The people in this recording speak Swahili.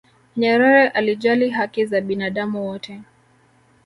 nyerere alijali haki za binadamu wote